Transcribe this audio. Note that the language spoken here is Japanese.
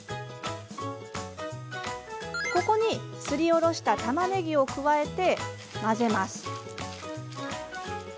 ここに、すりおろしたたまねぎを加えて混ぜます。